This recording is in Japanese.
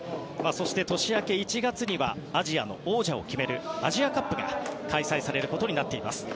そして年明けの１月にはアジアの王者を決めるアジアカップが開催されることになっています。